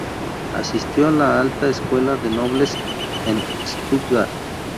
Asistió a la alta escuela de nobles en Stuttgart.